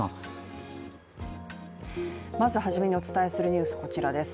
まず初めにお伝えするニュース、こちらです。